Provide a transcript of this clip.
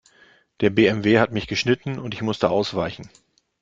Der BMW hat mich geschnitten und ich musste ausweichen.